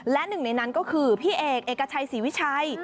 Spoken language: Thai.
และหนึ่งในนั้นก็คือพี่เอกเอกชัยศรีวิชัย